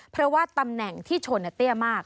เพราะว่าตำแหน่งที่ชนเตี้ยมาก